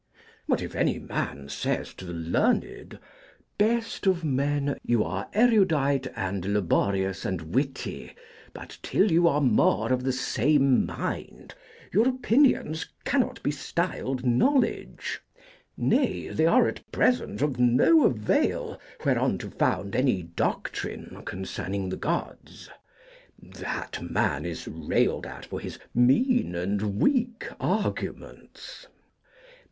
But if any man says to the learned: 'Best of men, you are erudite, and laborious and witty; but, till you are more of the same mind, your opinions cannot be styled knowledge. Nay, they are at present of no avail whereon to found any doctrine concerning the Gods' that man is railed at for his 'mean' and 'weak' arguments. * Transliterated from Greek.